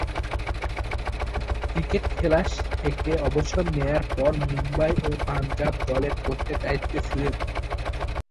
Cricket খেলা থেকে অবসর নেয়ার পর মুম্বই ও পাঞ্জাব দলের কোচের দায়িত্বে ছিলেন।